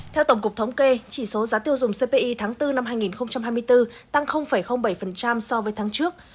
theo tổng cục thống kê chỉ số giá tiêu dùng cpi tháng bốn năm hai nghìn hai mươi bốn tăng bảy so với tháng trước